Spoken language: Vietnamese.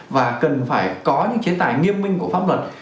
và cần phải có những chế tài nghiêm minh của pháp luật